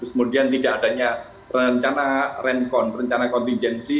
kemudian tidak adanya rencana rencon rencana kontingensi